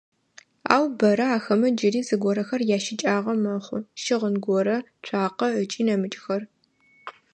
Ау бэрэ ахэмэ джыри зыгорэхэр ящыкӏагъэ мэхъу: щыгъын горэ, цуакъэ ыкӏи нэмыкӏхэр.